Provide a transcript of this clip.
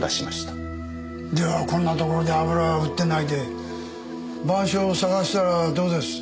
じゃあこんなところで油を売ってないで『晩鐘』を探したらどうです？